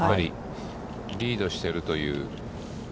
リードしているという。